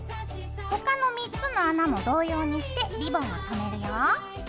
他の３つの穴も同様にしてリボンをとめるよ。